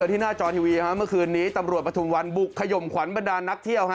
ที่หน้าจอทีวีเมื่อคืนนี้ตำรวจประทุมวันบุกขยมขวัญบรรดานนักเที่ยวฮ